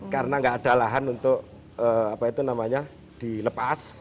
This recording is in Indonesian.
karena enggak ada lahan untuk dilepas